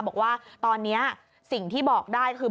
บอกว่าตอนนี้สิ่งที่บอกได้คือ